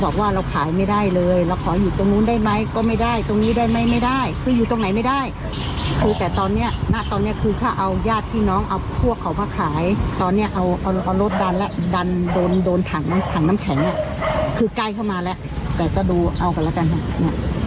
น้ำแข็งเนี้ยคือไกลเข้ามาแล้วแต่ก็ดูเอากันแล้วกันฮะเนี้ย